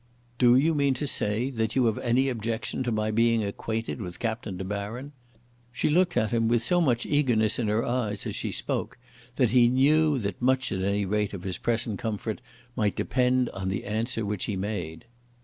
"Do you mean to say that you have any objection to my being acquainted with Captain De Baron?" She looked at him with so much eagerness in her eyes as she spoke that he knew that much at any rate of his present comfort might depend on the answer which he made.